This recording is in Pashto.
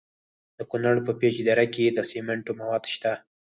د کونړ په پیچ دره کې د سمنټو مواد شته.